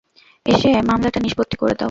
এসে মামলাটা নিষ্পত্তি করে দাও।